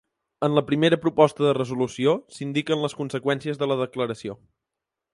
En la primera proposta de resolució s’indiquen les conseqüències de la declaració.